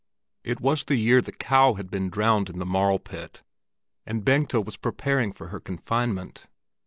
It was the year that the cow had been drowned in the marl pit, and Bengta was preparing for her confinement.